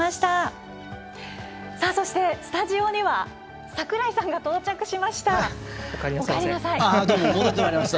そして、スタジオには櫻井さんが到着しました。